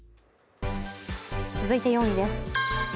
続いて４位です。